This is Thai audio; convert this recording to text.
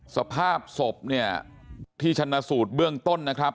สภาพศพเนี่ยที่ชนะสูตรเบื้องต้นนะครับ